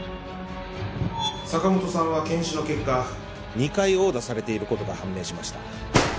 坂本さんは検視の結果２回殴打されている事が判明しました。